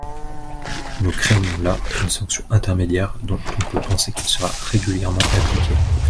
Nous créons là une sanction intermédiaire dont on peut penser qu’elle sera régulièrement appliquée.